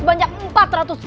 memberikan satu video